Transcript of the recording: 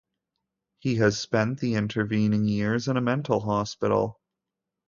He has spent the intervening years in a mental hospital.